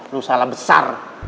lo salah besar